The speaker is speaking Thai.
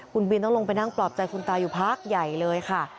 คุณบินต้องลงไปนั่งปลอบใจคุณตาอยู่พักใหญ่เลยค่ะ